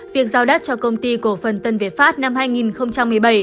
việc giao đất cho công ty cổ phần tân việt pháp năm hai nghìn một mươi bảy